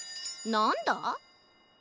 なんだ？